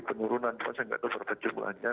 kemurunan pas yang tidak terjadi banyak